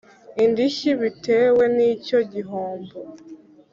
Indishyi bitewe n icyo gihombo